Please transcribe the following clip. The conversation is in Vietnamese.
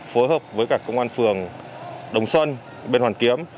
phối hợp với cả công an phường đồng xuân bên hoàn kiếm